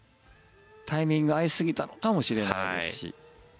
タイミングが合いすぎたのかもしれないですし。